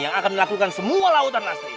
yang akan melakukan semua lautan lasri